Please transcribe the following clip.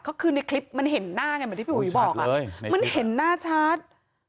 ก็คือในคลิปมันเห็นหน้าไงเหมือนที่พี่อุ๋ยบอกมันเห็นหน้าชัด